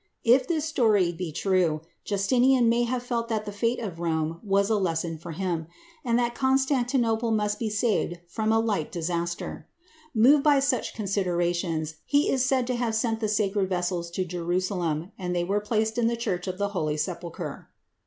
If this story be true, Justinian may have felt that the fate of Rome was a lesson for him, and that Constantinople must be saved from a like disaster. Moved by such considerations, he is said to have sent the "sacred vessels" to Jerusalem, and they were placed in the Church of the Holy Sepulchre.